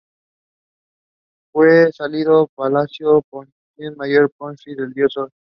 Fue salio palatino, pontífice mayor y pontífice del dios Sol.